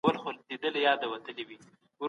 ملي عايد د خلګو د هوسايني کچه لوړوي.